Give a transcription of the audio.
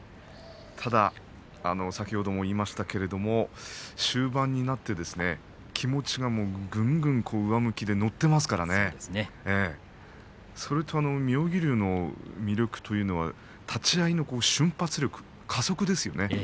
そうですね、ただ終盤になって気持ちがぐんぐん上向きで乗っていますからそれと妙義龍の魅力というのは立ち合いの瞬発力加速ですよね。